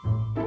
rum mau ngajar